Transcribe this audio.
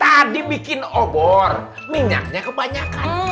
tadi bikin obor minyaknya kebanyakan